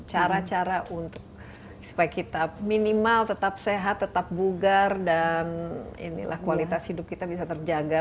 cara cara untuk supaya kita minimal tetap sehat tetap bugar dan kualitas hidup kita bisa terjaga